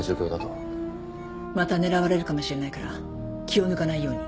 また狙われるかもしれないから気を抜かないように。